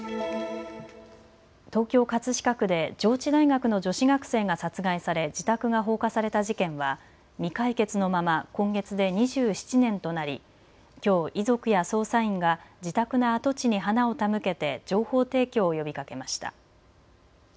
東京葛飾区で上智大学の女子学生が殺害され自宅が放火された事件は未解決のまま今月で２７年となりきょう遺族や捜査員が自宅の跡地に花を手向けて情報提供を呼びかけました。